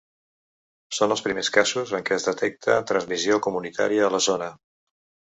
Són els primers casos en què es detecta transmissió comunitària a la zona.